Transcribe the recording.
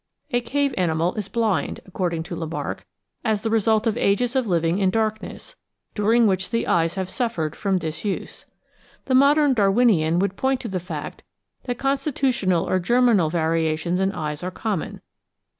A cave animal is blind, according to Lamarck, as the result of ages of living in dark ness, during which the eyes have suffered from disuse. The modern Darwinian would point to the fact that constitutional or germinal variations in eyes are common.